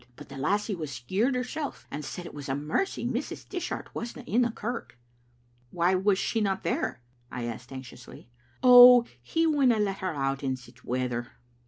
But the lassie was skeered hersel', and said it was a mercy Mrs. Dishart wasna in the kirk." *• Why was she not there?" I asked anxiously. "Oh, he winna let her out in sic weather."